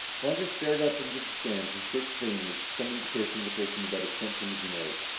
Roger stared up into the stands and searched vainly for some indication of the person who might have sent him the note.